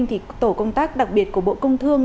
thì tổ công tác đặc biệt của bộ công thương